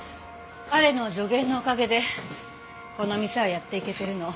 彼の助言のおかげでこの店はやっていけてるの。